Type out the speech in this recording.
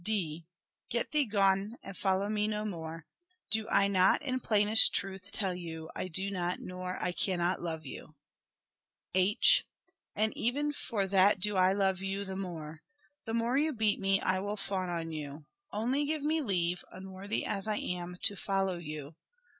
D. " Get thee gone and follow me no more. Do I not in plainest truth tell you I do not nor I cannot love you." H. " And even for that do I love you the more. The more you beat me, I will fawn on you : only give me leave, unworthy as I am to follow you.